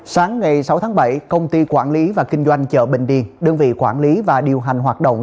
sáng ngày sáu tháng bảy công ty quản lý và kinh doanh chợ bình điền đơn vị quản lý và điều hành hoạt động